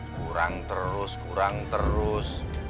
kurang terus kurang terus